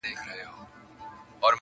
کله غل کله مُلا سي کله شیخ کله بلا سي-